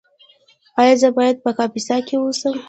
ایا زه باید په کاپیسا کې اوسم؟